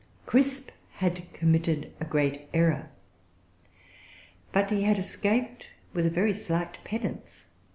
Crisp had committed a great error; but he had escaped with a very slight penance.